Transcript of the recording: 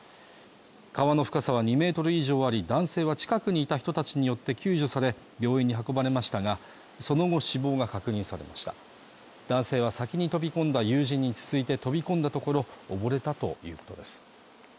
川の深さは２メートル以上あり男性は近くにいた人たちによって救助され病院に運ばれましたがその後死亡が確認されました男性は先に飛び込んだ友人に続いて飛び込んだところ溺れたということです